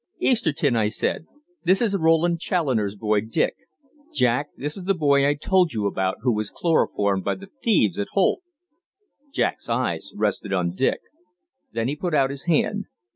"Easterton," I said, "this is Roland Challoner's boy, Dick. Jack, this is the boy I told you about who was chloroformed by the thieves at Holt." Jack's eyes rested on Dick. Then he put out his hand.